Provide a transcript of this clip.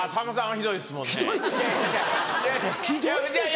ひどいですもんね。